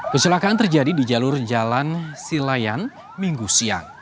kecelakaan terjadi di jalur jalan silayan minggu siang